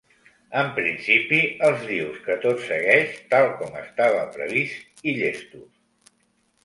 En principi els dius que tot segueix tal com estava previst i llestos.